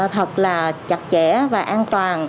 thật là chặt chẽ và an toàn